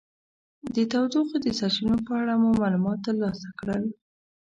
د تودوخې د سرچینو په اړه مو معلومات ترلاسه کړل.